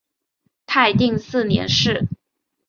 泰定四年事。